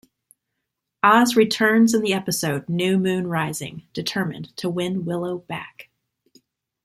Oz returns in the episode "New Moon Rising", determined to win Willow back.